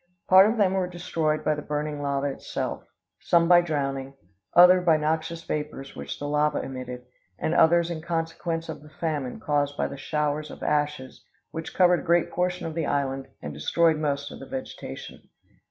Part of them were destroyed by the burning lava itself; some by drowning, other by noxious vapors which the lava emitted, and others in consequence of the famine, caused by the showers of ashes, which covered a great proportion of the island and destroyed most of the vegetation.